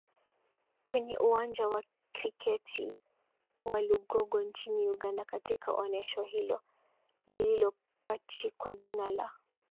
kwenye Uwanja wa Kriketi wa Lugogo nchini Uganda Katika onesho hilo lililopachikwa jina la